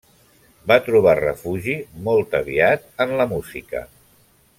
Va trobar refugi molt aviat en la música.